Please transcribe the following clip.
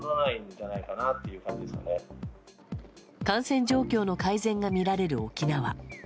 感染状況の改善が見られる沖縄。